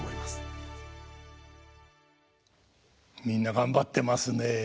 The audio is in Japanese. みんな頑張ってますね。